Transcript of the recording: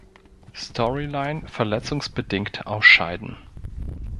Storyline verletzungsbedingt ausscheiden.